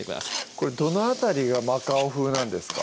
これどの辺りがマカオ風なんですか？